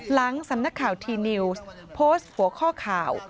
หลังสำนักข่าวทีนิวส์โพสต์หัวข้อข่าว